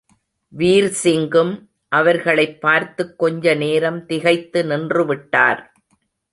வீர்சிங்கும் அவர்களைப் பார்த்துக் கொஞ்ச நேரம் திகைத்து நின்றுவிட்டார்.